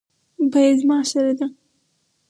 بیه زما سره ده